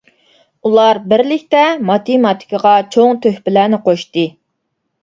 ئۇلار بىرلىكتە ماتېماتىكىغا چوڭ تۆھپىلەرنى قوشتى.